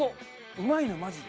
うまいのよマジで。